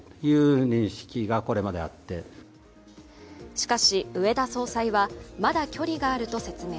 しかし、植田総裁はまだ距離があると説明。